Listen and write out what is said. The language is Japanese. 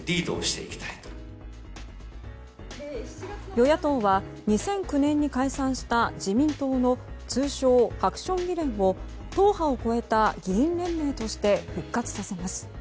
与野党は２００９年に解散した自民党の通称ハクション議連を党派を超えた議員連盟として復活させます。